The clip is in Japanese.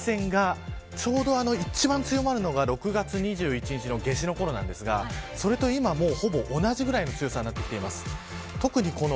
紫外線が、ちょうど一番強まるのが６月２１日の夏至のころですがそれと今同じぐらいの強さになってきています。